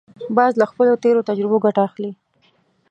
باز له خپلو تېرو تجربو ګټه اخلي